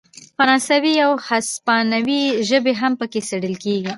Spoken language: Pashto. فرانسوي او هسپانوي ژبې هم پکې څیړل کیږي.